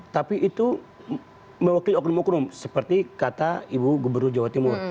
tapi itu mewakili oknum oknum seperti kata ibu gubernur jawa timur